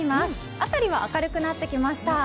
辺りは明るくなってきました。